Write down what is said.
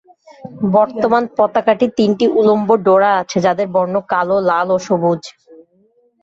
বর্তমান পতাকাটি তিনটি উলম্ব ডোরা আছে, যাদের বর্ণ কালো, লাল, ও সবুজ।